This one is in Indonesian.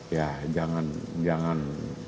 ya jangan jangan